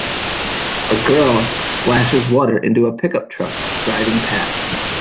A girl splashes water into a pickup truck driving past.